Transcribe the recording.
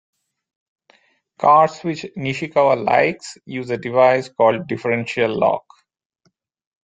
Cars, which Nishikawa likes, use a device called differential lock.